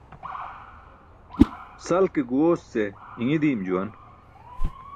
Sal ke guyoos ce i̇ṅi̇ di̇im juwan.